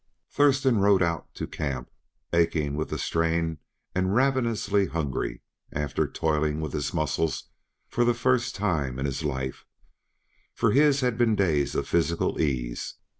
Thurston rode out to camp, aching with the strain and ravenously hungry, after toiling with his muscles for the first time in his life; for his had been days of physical ease.